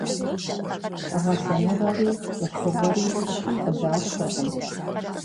Гъэсэныгъэри цӏыхугъэри цӏыхум къыдалъхуркъым.